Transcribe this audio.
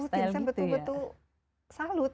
saya betul betul salut